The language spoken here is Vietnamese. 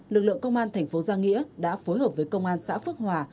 lực lượng công an thành phố giang nghĩa đã phối hợp với công an xã phước hòa